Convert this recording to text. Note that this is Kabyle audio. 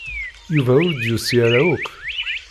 Yuba ur d-yusi ara akk.